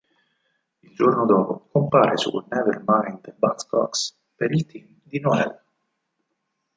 Il giorno dopo compare su Never Mind The Buzzcocks per il team di Noel.